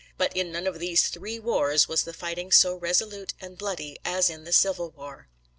But in none of these three wars was the fighting so resolute and bloody as in the Civil War.